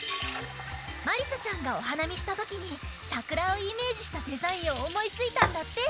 まりさちゃんがおはなみしたときにさくらをイメージしたデザインをおもいついたんだって。